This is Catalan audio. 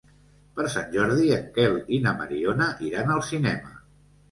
Per Sant Jordi en Quel i na Mariona iran al cinema.